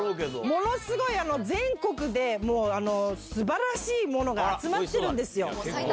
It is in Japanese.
ものすごい全国で、もうすばらしいものが集まってるんですよ。